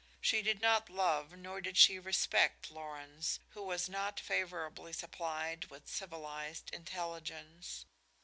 She did not love, nor did she respect Lorenz, who was not favorably supplied with civilized intelligence.